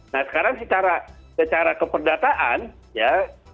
nah sekarang secara keperdataan ya